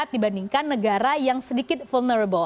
dibandingkan negara yang sedikit vulnerable